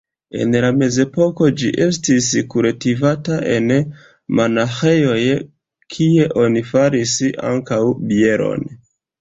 En la mezepoko ĝi estis kultivata en monaĥejoj, kie oni faris ankaŭ bieron.